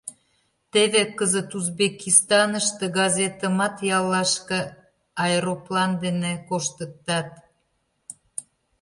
Теве кызыт Узбекистаныште газетымат яллашке аэроплан дене коштыктат.